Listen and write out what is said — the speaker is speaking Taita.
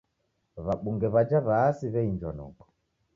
W'abunge w'aja w'aasi w'einjwa noko.